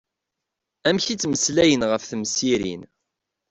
Amek i ttmeslayen ɣef temsirin.